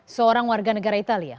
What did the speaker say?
seorang warga negara italia